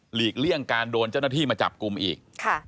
เลี่ยงการโดนเจ้าหน้าที่มาจับกลุ่มอีก